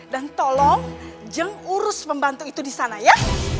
dan tolong jem urus pembantu itu di sana ya